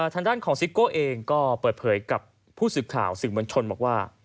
ทางด้านของซิโก้เองก็เปิดเผยกับผู้สื่อข่าวสื่อมวลชนบอกว่า